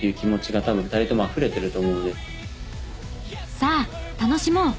さあ楽しもう！